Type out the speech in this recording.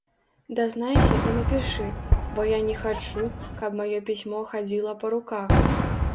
Дазнайся і напішы, бо я не хачу, каб маё пісьмо хадзіла па руках.